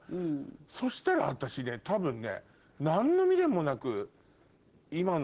そしたら私多分ね。